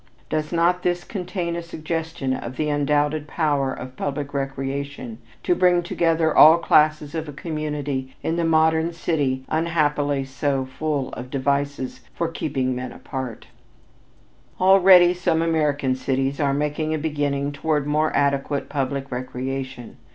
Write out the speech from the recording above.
Does not this contain a suggestion of the undoubted power of public recreation to bring together all classes of a community in the modern city unhappily so full of devices for keeping men apart? Already some American cities are making a beginning toward more adequate public recreation.